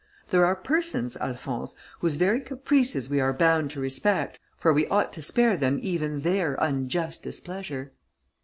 There are persons, Alphonse, whose very caprices we are bound to respect, for we ought to spare them even their unjust displeasure."